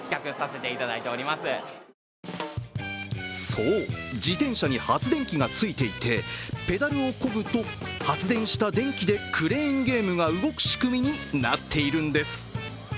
そう、自転車に発電機がついていてペダルをこぐと、発電した電気でクレーンゲームが動く仕組みになっているんです。